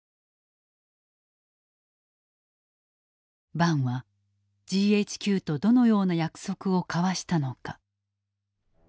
伴はＧＨＱとどのような約束を交わしたのか。